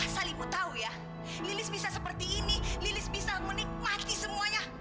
salingu tahu ya lilis bisa seperti ini lilis bisa menikmati semuanya